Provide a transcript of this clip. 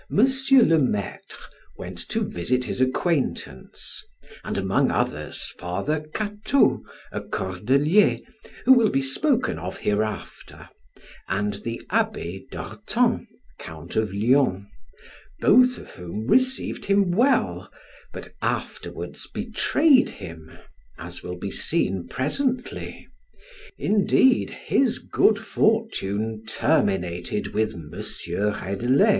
le Maitre went to visit his acquaintance, and among others Father Cato, a Cordelier, who will be spoken of hereafter, and the Abbe Dortan, Count of Lyons, both of whom received him well, but afterwards betrayed him, as will be seen presently; indeed, his good fortune terminated with M. Reydelet.